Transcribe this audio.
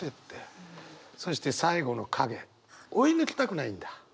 そして追い抜きたくないんだ？